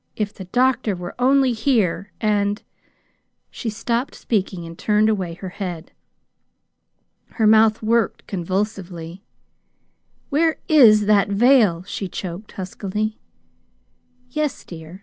If the doctor were only here, and " She stopped speaking and turned away her head. Her mouth worked convulsively. "Where is that veil?" she choked huskily. "Yes, dear.